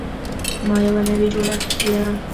ما یوه نوې جوړه اخیستې ده